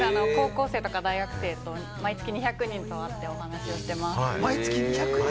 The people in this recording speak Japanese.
高校生とか大学生と毎月２００人とお会いしてお話を伺っています。